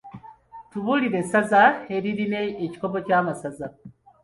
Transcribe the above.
Tubuulire e saza eririna ekikopo ky’amasaza?